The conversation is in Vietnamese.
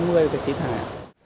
đây là trạm xử lý nước thải